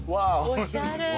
おしゃれ。